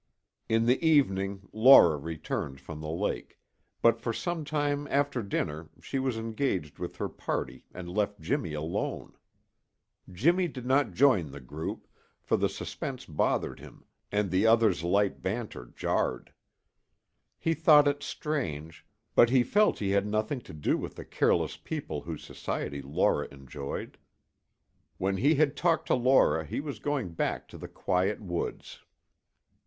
In the evening Laura returned from the lake, but for some time after dinner she was engaged with her party and left Jimmy alone. Jimmy did not join the group, for the suspense bothered him and the others' light banter jarred. He thought it strange, but he felt he had nothing to do with the careless people whose society Laura enjoyed. When he had talked to Laura he was going back to the quiet woods.